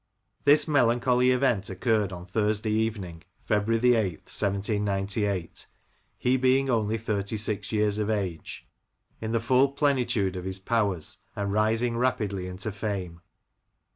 This melancholy event occurred on Thursday evening, February 8, 1798, he being only thirty six years of age, in the full plenitude of his powers, and rising rapidly into fame.